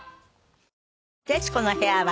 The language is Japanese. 『徹子の部屋』は